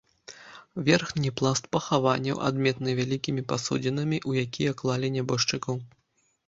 Верхні пласт пахаванняў адметны вялікімі пасудзінамі, у якія клалі нябожчыкаў.